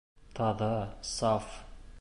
Таҙа, саф